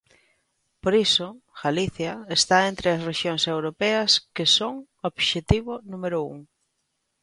Por iso Galicia está entre as rexións europeas que son obxectivo número un.